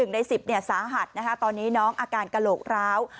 ๑ใน๑๐สาหัสตอนนี้น้องอาการกระโหลกร้าว